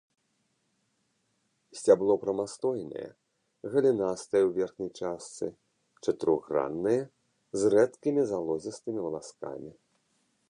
Сцябло прамастойнае, галінастае ў верхняй частцы, чатырохграннае, з рэдкімі залозістымі валаскамі.